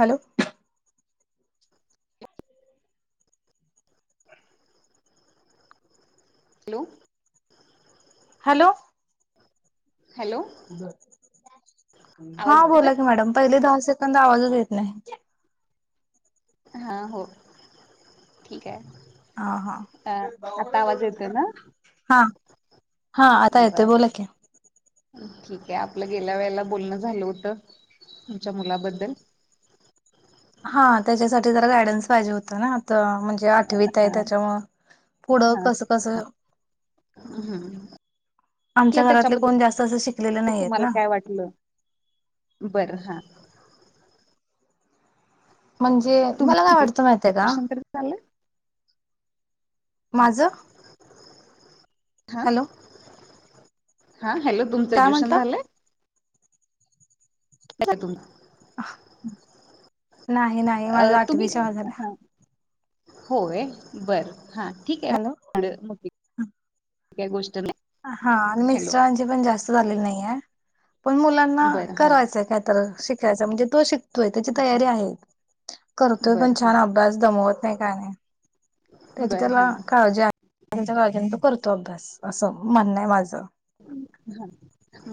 Hello. Hello. Hello. Hello आवाज हा बोला की येतोय मॅडम पहिले दहा सेकंद आवाजच येत नाही. हा हो, ठीक आहे. आ हा. अ आता आवाज येतोय ना हा, हा आता येतोय बर बोला की. ठीक आहे आपलं गेल्या वेळेला बोलणं झालं होतं तुमच्या मुलाबद्दल. हा त्याच्यासाठी जरा गायडन्स पाहिजे होता ना तर म्हणजे जे आठवीत आहे हा त्याच्यामुळ, पुढं कसं कसं हम्. आमच्या घरातले कोण जास्त असं शिकलेले नाही आहेत ना. ल, बरं हा. म्हणजे तुम मला काय किती वाटतं माहितय का? ग्रॅज्युएशन तरी झालंय हा माझं हा, हॅलो हा हॅलो. तुचं काय जुशन म्हंटलं झालंय. [unintelligible] नाही नाही माझ तुम्ही आठवी शाळा झाल्या. हा होय बर हा ठीक आहे. हॅलो [unintelligible] काय गो [unintelligible] हा मिस्टरांची पण जास्त झालेल नाही आहे, पण मुलां ना बर हा करायचाय काय तर शिकायचाय म्हणजे तो शि तोय त्याची तयारी आहे. करतोय बर पण हा छान अभ्यास दमवत नाही काय नाही. त्याची बर त्याला हा काळजी आहे त्याच्या काळजीन तो करतो अभ्यास असं मान्य आहे माझं. हा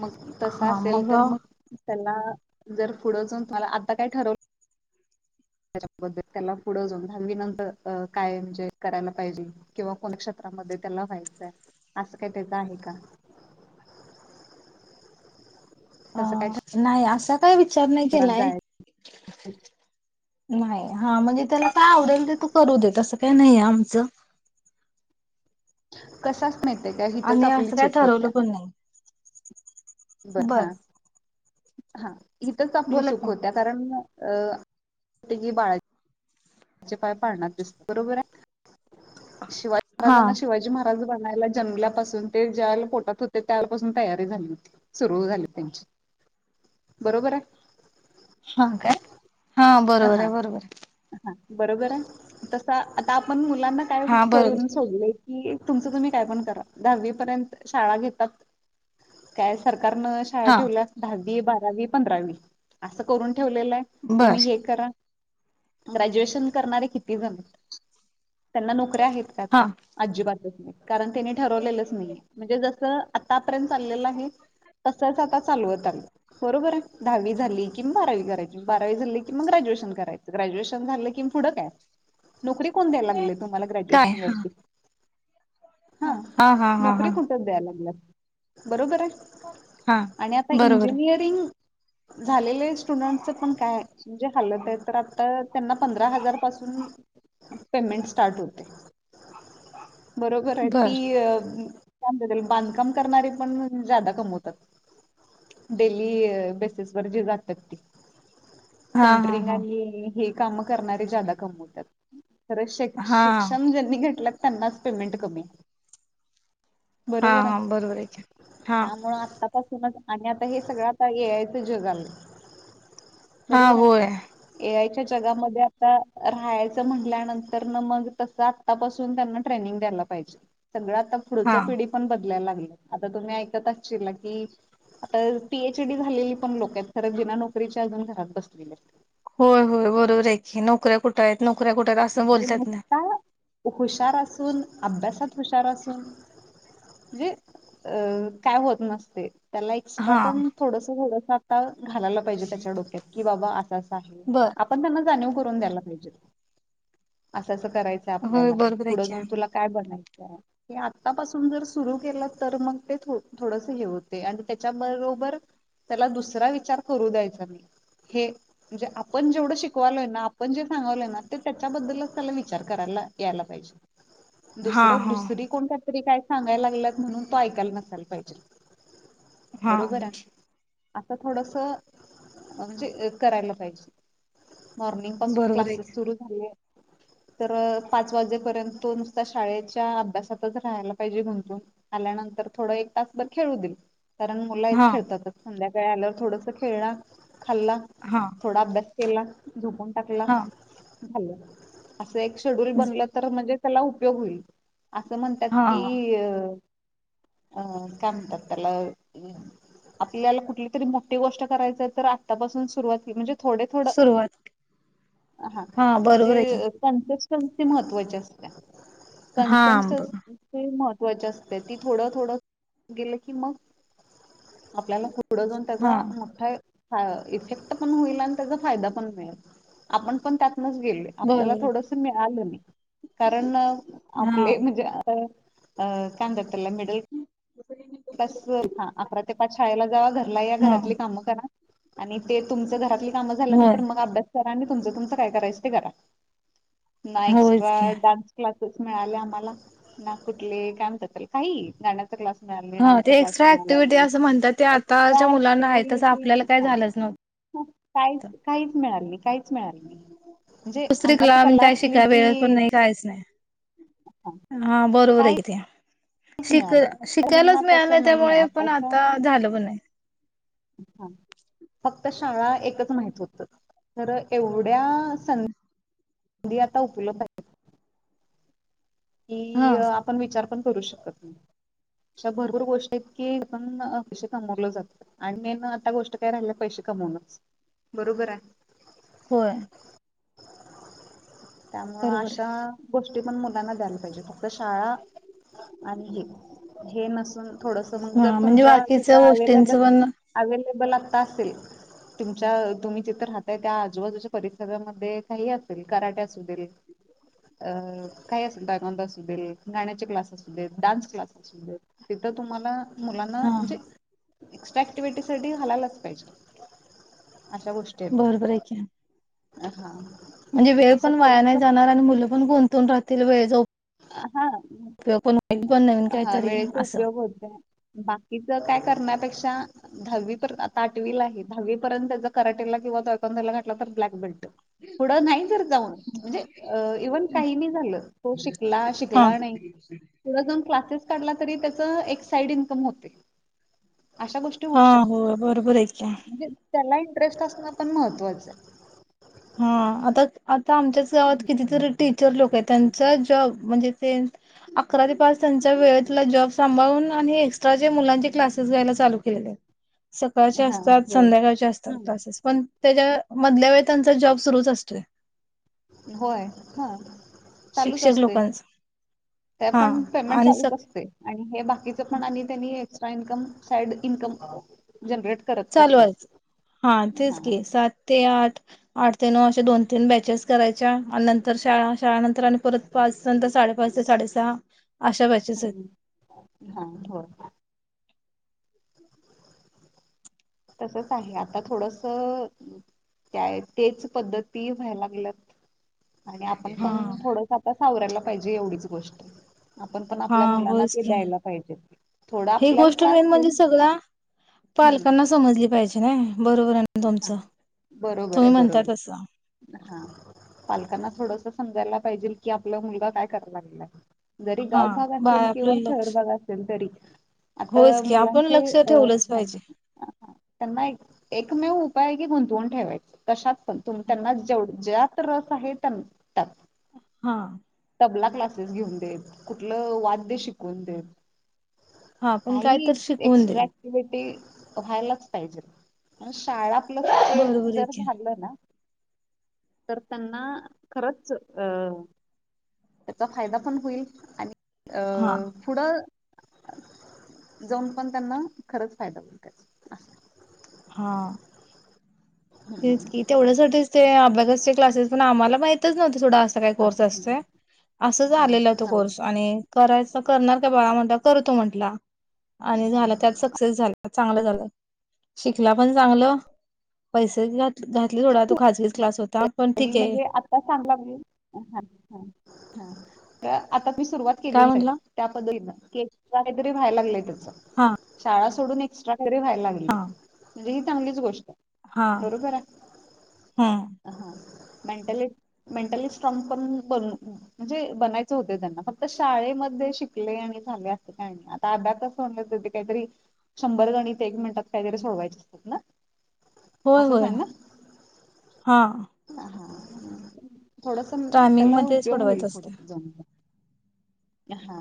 मग तस हा असेल मग तर मग त्याना जर पुढ जाऊन [unintelligible] आता काय ठरव त्याच्याबद्दल त्याला पुढं जाऊन दहावीनंतर अ काय म्हणजे करायला पाहिजे. किंवा को [unintelligible] क्षेत्रामध्ये त्याला व्हायचाय, असं काही त्याचं आहे का? अ तस काय ठ नाही असा काही विचार नाही केलाय. नाही हा म्हणजे त्याला काय आवडेल ते तू करू देेत असं काय नाहीय आमचं. कसास माहितीये का हीथच आणि आपली असं काय चूक ठरवलं होत्या. पण नाही बर हा. हा हिथच आपली बोला की चूक मग. होत्या कारण अ, [unintelligible] बाळा चे पाय पाळणात दिस बरोबर आहे. शिवाजी हा महाराजांना शिवाजी महा राज बनायला जन्मल्यापासून ते ज्या वेळेला पोटात होते त्यावेळेपासून तयारी झाली होती. सुरु झाली त्यांची, बरोबर आहे. हा काय? हा बरोबर हा आहे बरोबर आहे. हा बरोबर आहे. तस आता आपण मुलांना काय हा बरोबर करून सोडलंय. की तुमचं तुम्ही काय पण करा दहावी पर्यंत शाळा घेतात. काय सरकारनं शाळा हा ठेवला दहावी, बारावी, पंधरावी अस करून ठेवलेल आहे. बर तुम्ही हे करा, ग्रॅज्युएशन करणारे किती जण हाईत. त्यांना नोकऱ्या आहेत का हा आता? अजिबातत नाही कारण त्यांनी ठरवलेलंच नाहीे म्हणजे जस आतापर्यंत चाललेलं आहे त च आता चालवत आ बरोबर आहे दहावी झाली कि बारावी करायची बारावी झाली क मग ग्रॅज्यूएशन करायचं ग्रॅज्यूएशन झालं कि पुढं काय नोकरी कोण द्यायला लागलय तुम्हाला काय ग्रॅज्युएशन हा वरती हा हा हा नोकरी हा कुठ द्याय लागल्या बरोबर आहे हा आणि आता बरोबर इंजिनियरिंग झालेले स्टुडंटच पण काय म्हणजे हालत आहे तर आता त्यांना पंधरा हजार पासून पेमेंट स्टार्ट होतय बरोबर आहे बर ती काय म्हणता बांधकाम करणारे पण जादा कमवतात डेली बेसिस वर जे जात्यात ती हा हा सेंटरिंग हा आणि हे काम करणारे जादा कमवत्यात खर शिक हा शिक्षण ज्यांनी घेतलं त्यांनाच पेमेंट कमी हा बरोबर हा बरोबर की आहे हा त्यामुळे आत्ता पासूनच आणि आता हे सगळं आता ये यायचं जग आलंय हा बरोबर होय आहे ए आय यायच्या जगामध्ये आता राहायचं म्हटल्यानंतर न मग तस आ आत्ता पासून त्यांना ट्रेनिंग द्यायला पाहिजे सगळ आता पुढच हा पिढी पण बयलाय लाग आता तुम्ही ऐकत की आता पीएच डी झालेली पण लोक आहेत खरं बीना नोकरीच्या अजून घरात बसलेले आहेत होय, होय बरोबर आहे की नोकऱ्या कुठ कुठंयत नोकऱ्या कुठं अस म्हणजे नुसता हुशार असून अभ्यासात हुशार असून जे अ काय होत नसतय त्याला एक्स्ट्रा हा पण थोडस, थोडसं आता घालायला लाग पाहिजे त्याज्या डोक्यात की बाबा अस, असं आहे बर आपण त्यांना जाणीव करून द्यायला पाहिजे असं, असं करायचं होय आपल्याला बरोबर आहे पुढं की जाऊन तुला काय बनायचंय हे आत्तापासून जर सुरू केलं तर मग ते थोडस हे होतय आणि त्याच्या बरोबर त्याला दुसरा विचार करू द्यायचा नई हे म्हणजे आपण जेवढं शिकवालोय ना आपण जे सांगवलय ना ते त्याच्या बद्दलच त्याला विचार करायला यायला पाहिजे हा दुसर हा दुसरी कोण काय तरी काय सांगायला लागलात म्हणून तू ऐकाला नसाला पाहिजे हा बरोबर आहे आता थोडस म्हणजे अ करायला पाहिजे मॉर्निंग पासून बरोबर आहे क्लासेस की सुरू झाले तर पाच वाजेपर्यंत तो नुसता शाळेच्या अभ्यासातच राहायला पाहिजे गुंतून आल्यानंतर थोडं एक तास बर खेळू दिल कारण मुल आहेत हा खेळतातच संध्याकाळी आल्यावर थोडस खेळला खाल्ला हा थोडा अभ्यास केला झोपून टाकला हा झालं असं एक शेड्यूल हा बनलं तर म्हणजे त्याला उपयोग होईल असं म्हणतात हा कि अ अ काय म्हणतात त्याला अ आपल्याला कुठली तरी मोठी गोष्ट करायच तर आत्तापासून सुरुवाती म्हणजे थोडे, थोड सुरुवात हा बरोबर आहे की म्हणजे कन्सेस्टन्सी महत्वाची असते हा कनसेटनस बर ती महत्वाची असत्या ती थोडं, थोडं गेलं की मग आपल्याला पु पुढं जाऊन हा त्याचा मोठ्ठा य ह इफेक्ट पण होईल आणि त्याचा फायदा पण मिळेल आपण पण त्यातनच गेलोय आपल्याला बरोबर आहे थोडंसं मिळालं [unintelligible] कारण हा आपले, म्हणजे त, अ काय म्हणतात त्याला मिडल तसं हां, अकरा ते पाच शाळेला जावा, घरला या, हा घरातली कामं करा. आणि ते तुमचं घरातली कामं होय झाल्यानंतर, मंग अभ्यास करा अणि तुमचं-तुमचं काय करायचं, ते करा, ना होयच एक्स्ट्रा की डान् क्लासेस मिळाले आम्हाला, ना कुठले, काय म्हणतात त्याला, काही गाण्याचा क्लास मिळाला नाही हं डान्सचा ते क्लास एक्स्ट्रा मिळाला ऍक्टिव्हिटी नाही असं म्हणतात, ते एक्स्ट्रा आताच्या मुलांना आहे, तसं आपल्याला काय झालंच नवतं. हु काहीच-काहीच मिळाल नही, काहीच मिळाली नाही म्हणजे [unintelligible] अंगात कला काय असली शिकाय वेळ पण की नही, काहीच नाही. हा, हां, बरोबर य कि काहीच त्यां. मिळालं नाही तर शिक-शिकायलाच मुलांना मिळालं, तसं नाहीये त्यामुळे पण आताच्या आता झालं पन नाय. फक्त शाळा, एकच माहित होत, तर एवढ्या सं [unintelligible] [inaudible] धी आता उपलब्ध हाय. की हा अ आपण विचार पण, करू शकत नही. अशा भरपूर गोष्टी आहेत की, पण पैशे कमवलं जात. आणि मेन आता गोष्ट काय राहिल्या, पैशे कमवनच, बरोबराय. होय. त्यामुळ बरोबर अशा आहे गोष्टी पण मुलांना द्यायला पाहिजे, फक्त शाळा आणि हे, हे नसून थोडंसं, मंग जर हा म्हणजे तुमच्या बाकीच्या तिथं गोष्टींच अवेलेबल पण अवेलेबल आता असेल तुमच्या अ तुम्ही तीथ राहताय, त्या आजूबाजूच्या परिसरामध्ये काही असेल, कराटे असू दे. अ काही अस [unintelligible] [unintelligible] अस देल, गाण्याचे क्लास असु देत, डान्स क्लास असू दे, तिथं तुम्हाला मुलांना, हा म्हणजे एक्स्ट्रा ऍक्टिव्हटीसाठी घालायलाच पाहिजे, अशा गोष्ट बरोबर य की. हं हां. म्हणजे वेळ पण वाया नही जाणार, आणि मुलं पण गुंतून राहतील, वेळेचा उप अ हां, पण नवीन हा काहीतरी वेळेचा असं उपयोग होत. बाकीच काय करण्यापेक्षा, दहावी पर, आता आठवीला आहे, दहावी पर्यंत जर कराटेला किंवा तायकवान्दोला घातला तर ब्लॅक बेल्ट. पुढ नाही जर जाऊन, म्हणजे अ इव्हन काही नहीं झालं, तो हा शिकला-शिकला नही पुढ जाऊन क्लासेस काढला, तरी त्याचं, एक साईड इन्कम होते, अशा गोष्ट टी होऊ हा हो शकतं, बरोबर आहे की म्हणजे त्याला इंटरेस्ट असणं पण महत्त्वाचं. हां आता-आता आमच्याच गावात किती तरी टीचर लोकं येत, त्यांचा जॉब, म्हणजे तें अकरा ते पाच त्यांच्या वेळेतला जॉब सांभाळून आणि हे एक्स्ट्रा जे मुलांचे क्लासेस घ्यायला, चालू केलेले. [unintelligible] सकाळचे हा असतात, हो संध्याकाळचे असतात हम्म क्लासेस, पण त्याच्या, मधल्या वेळेत त्यांचा जॉब सुरुच असतोय. होय, हां. चालूच शिक्षक असतय, लोकांचा त्या हा पण पेमेंट आणि स चालूच असतय. आणि हे बाकीच पण आणि त्यांनी extra income, side income generate करतच चालू असतात यच, हां हा तेच की, सात ते आठ, आठ ते नऊ, अशे दोन-तीन बॅचेस करायच्या आणि नंतर शाळा, शाळा नंतर अन परत पाच, नंतर साडेपाच ते साडेसहा, अशा बॅ हम्म, हं होय. [unintelligible] तसच आहे. आता थोडस त्या तेच पद्धती व्हाय लागल्यात. आणि आपण हा पण थोडस आता सावरायला पाहिजे एवढीच गोष्ट. आपण पण हा आपल्या मुलांना होयच ते की द्यायला पाहिजे. थोड ही आपल्याला गोष्ट त्रास मेन म्हणजे होईल. सगळ्या हम्म पालकांना समजली पाहिजे नाही, बरोबर आहे ना हा तुमचं, बरोबर आहे तुम्ही म्हणता बरोबर तसं. हा, पालकांना थोडस समजायला पाहिजेल कि आपला मुलगा काय कराय लागलाय. जरी हा गावभग बा असेल किंवा आपलं शहर लक्ष भाग असेल तरी. आता होयच की आपण मुलांचे लक्ष अ, ठेवलंच ह पाहिजे त्यांना एक एकमेव उपाय आहे की गुंतवून ठेवायच कशात पण, तुम त्यांना जेव, ज्यात रस आहे. हा. तबला क्लासेस घेऊन देत, कुठलं वाद्य शिकवून देत. हा पण काय काही तर शिकवून एक्स्ट्रा देईल ऍक्टिव्हिटी व्हायलाच पाहिजेत. शाळा ळेत बरोबर आहे जर की झालं ना. तर त्यांना खरंच अ त्याचा फायदा पण होईल आणि अ हा पुढं, जाऊन पण त्यांना खरंच फायदा होईल त्याचा. असं. हा तेच कि, तेवढयासाठीच ते अभ्यासाचे क्लासेस पण आम्हाला माहीत माहीतच नव्हत सोडा असा काही हा कोर्स असतोय. असंच हा आलेल तो हा कोर्स आणि करायच. करणार का बाळा म्हंणलेवर, करतो म्हटला आणि झाला हा त्यात सक्सेस झाला. चांगलं झालं. शिकला पण चांगलं, पैसे ही घात, घातले सोडा तो खाजगीच क्लास होता. पण ठीक मेन आहे म्हणजे आता सांग लागली. आता ती सुरुवात काय केलेलीच आहे. म्हटला त्या पद्धतीनं, की एक्स्ट्रा काहीतरी व्हायला लागलंय त्याच. हा शाळा सोडून एक एक्स्ट्रा घरी व्हायला लागलय. हा म्हणजे ही चांगलीच गोष्ट हाय. हा, हम्म. हा, मेंटली-मेंटली स्ट्रांग पण बन म्हणजे बनायच होते त्यांना. फक्त शाळेमध्ये शिकलेय आणि झालय अस काय नाही. अबॅकस सोडण्यात काहीतरी, शंभर जणी ते एक मिनिटात काहीतरी सोडवायचे असतात ना? व्हय, असंच होय हा. हा, हा थोड पण टायमिंग त्याला मध्ये उपयोग होईल सोडवायचं पुढ असते जाऊन. हा,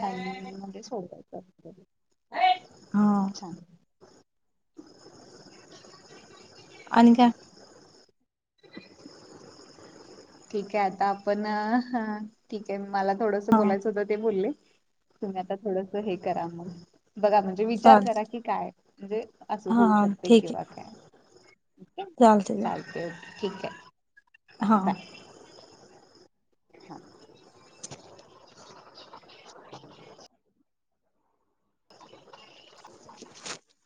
टाइमिंगमध्ये सोडवायचं असतं ते हा खूप छान. आणि काय? [unintelligible] ठीक आहे आता आपण, ठीक आहे मला थोडस हा बोलायचं होतं ते बोलले. तुम्ही आता थोडंस हे करा मग, बघा मग. विचार करा चालत की काय, म्हणजे असं होऊ हा शकते किंवा काय. ओके चालतय गं. चालते ओके ठीक हाय. हा. हा. [inaudible]